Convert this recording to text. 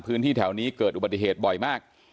พื้นที่แถวนี้เกิดอุบัติเหตุบ่อยมาก